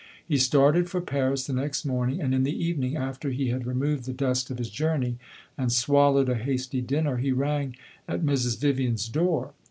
He started for Paris the next morning, and in the evening, after he had removed the dust of his journey and swallowed a hasty dinner, he rang at Mrs. Vivian's door.